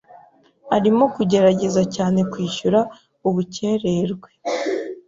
Arimo kugerageza cyane kwishyura ubukererwe.